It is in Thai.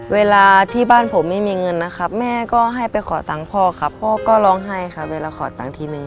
เวลาที่บ้านผมไม่มีเงินนะครับแม่ก็ให้ไปขอตังค์พ่อครับพ่อก็ร้องไห้ครับเวลาขอตังค์ทีนึง